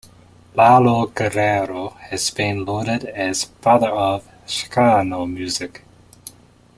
Lalo Guerrero has been lauded as the "father of Chicano music".